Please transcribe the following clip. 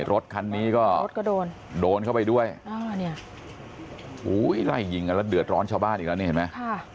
รถคันนี้ก็โดนเข้าไปด้วยอู้วย์ไหล่หยิงอะแล้วเดือดร้อนชาวบ้านอีกนะเห็นมั้ย